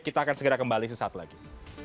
kita akan segera kembali sesaat lagi